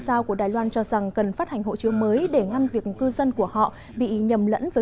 giao của đài loan cho rằng cần phát hành hộ chiếu mới để ngăn việc cư dân của họ bị nhầm lẫn với